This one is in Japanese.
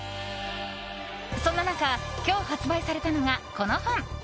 そんな中、今日発売されたのがこの本。